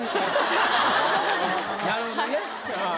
なるほどね。